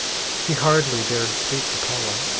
He hardly dared speak to Paula.